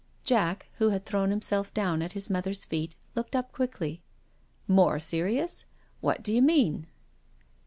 Jack, who had thrown himself down at his mother's feet, looked up quickly: More serious — what do you mean?"